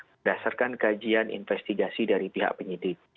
berdasarkan kajian investigasi dari pihak penyidik